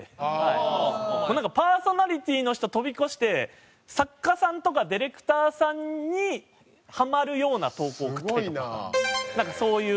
パーソナリティーの人飛び越して作家さんとかディレクターさんにハマるような投稿を送ったりとかそういう事があったりとか。